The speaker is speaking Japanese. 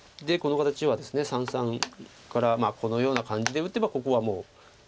でこの形はですね三々からこのような感じで打てばここはもう。